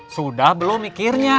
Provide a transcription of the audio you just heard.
sudah belum mikirnya